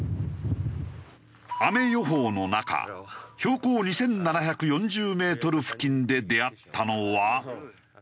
雨予報の中標高２７４０メートル付近で出会ったのは。